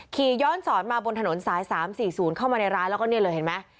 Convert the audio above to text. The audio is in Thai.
ขี่ย้อนสอนมาบนถนนสาย๓๔๐เข้ามาในร้านแล้วก็เนี่ยเลยเห็นไหม